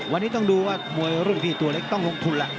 วันนี้ต้องดูว่ามวยรุ่นพี่ตัวเล็กต้องลงทุนล่ะ